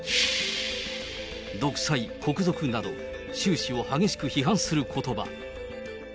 独裁国賊など、習氏を激しく批判することば。